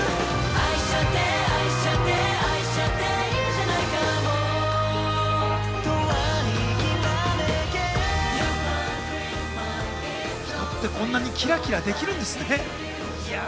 人ってこんなにキラキラできるんですね。